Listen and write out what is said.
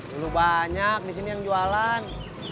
dulu banyak disini yang jualan